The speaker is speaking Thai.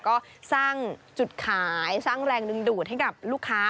ก็สร้างจุดขายสร้างแรงดึงดูดให้กับลูกค้า